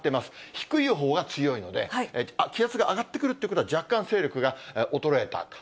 低いほうが強いので、気圧が上がってくるということは、若干勢力が衰えたと。